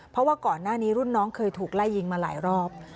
เพราะว่าก่อนหน้านี้รุ่นน้องเคยถูกไล่ยิงมาหลายรอบ